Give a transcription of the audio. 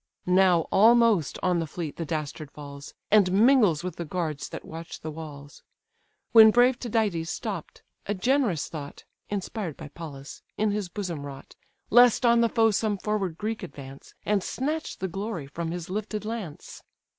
Now almost on the fleet the dastard falls, And mingles with the guards that watch the walls; When brave Tydides stopp'd; a gen'rous thought (Inspired by Pallas) in his bosom wrought, Lest on the foe some forward Greek advance, And snatch the glory from his lifted lance.